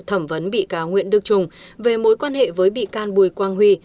thẩm vấn bị cáo nguyễn đức trung về mối quan hệ với bị can bùi quang huy